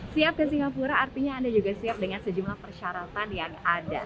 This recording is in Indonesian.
siap ke singapura artinya anda juga siap dengan sejumlah persyaratan yang ada